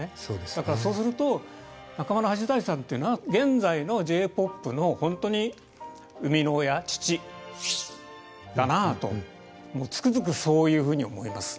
だからそうすると中村八大さんっていうのは現在のＪーＰＯＰの本当に生みの親父だなあともうつくづくそういうふうに思います。